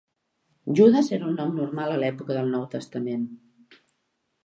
Judas era un nom normal a l'època del Nou Testament.